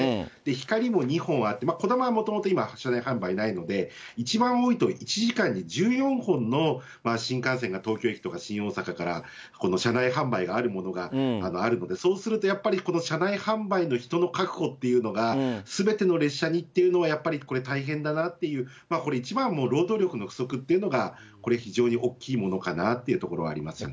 ひかりも２本あって、こだまはもともと今車内販売ないので、一番多いときで１時間に１４本の新幹線が、東京駅とか新大阪からこの車内販売があるものがあるので、そうするとやっぱり、車内販売の人の確保というのが、すべての列車にっていうのは、やっぱりこれ大変だなという、これ、一番は労働力の不足っていうのが、これ非常に大きいものかなというところがありますよね。